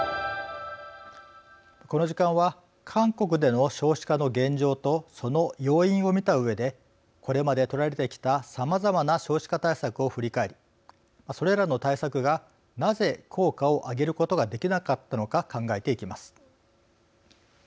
この時間は韓国での少子化の現状とその要因を見たうえでこれまで取られてきたさまざまな少子化対策を振り返りそれらの対策がなぜ効果を上げることができなかったのか考えていきます。